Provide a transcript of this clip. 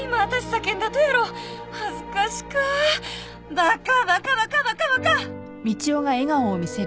バカバカバカバカ